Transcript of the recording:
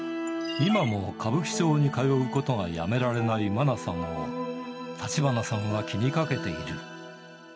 今も歌舞伎町に通うことがやめられないマナさんを橘さんは気にかけている。